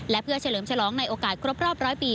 และเพื่อเฉลิมฉลองในโอกาสครบรอบร้อยปี